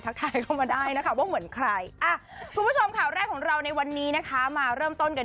ข้างเข้ามาได้นะเขาพบเหมือนใครอ่ะค่ะในวันนี้นะคะมาเพิ่มต้นไป